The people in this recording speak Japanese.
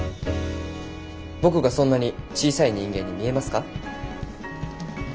僕がそんなに小さい人間に見えますか？